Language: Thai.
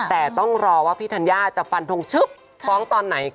แต่ต้องรอว่าพี่ธัญญาจะฟันทงชึบฟ้องตอนไหน